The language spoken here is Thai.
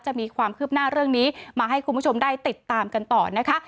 จะมีความคืบหน้าเรื่องนี้มาให้คุณผู้ชมได้ติดตามกันต่อนะคะ